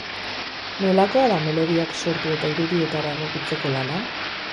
Nolakoa da melodiak sortu eta irudietara egokitzeko lana?